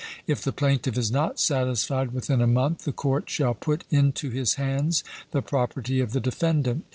If the plaintiff is not satisfied within a month, the court shall put into his hands the property of the defendant.